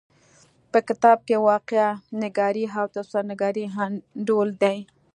په کتاب کې واقعه نګاري او تبصره نګاري انډول دي.